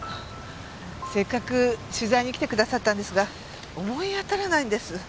せっかく取材に来てくださったんですが思い当たらないんです。